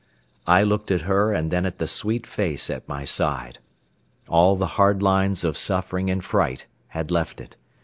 I looked at her and then at the sweet face at my side. All the hard lines of suffering and fright had left it.